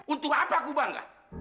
untuk apa aku bangga